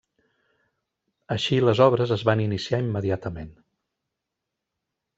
Així les obres es van iniciar immediatament.